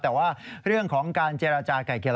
แต่ว่าเรื่องของการเจรจาไก่เกลีย